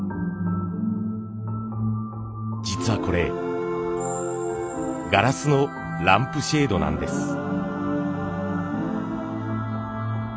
実はこれガラスのランプシェードなんです。